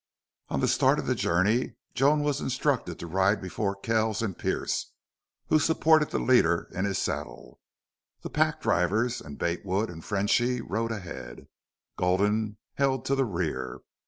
On the start of the journey Joan was instructed to ride before Kells and Pearce, who supported the leader in his saddle. The pack drivers and Bate Wood and Frenchy rode ahead; Gulden held to the rear.